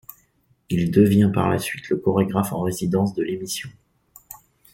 Il devient par la suite le chorégraphe en résidence de l'émission.